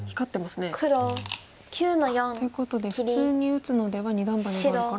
ということで普通に打つのでは二段バネがあるから。